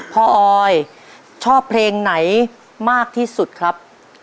ออยชอบเพลงไหนมากที่สุดครับ